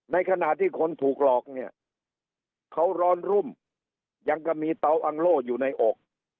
ในขณะที่คนถูกหลอกเนี่ยเขาร้อนรุ่มยังก็มีเตาอังโล่อยู่ในอก